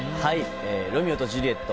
「ロミオとジュリエット」